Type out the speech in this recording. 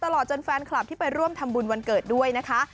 ตลอดจนแฟนคลับที่ไปร่วมทำบุญวันเกิดด้วยนะคะ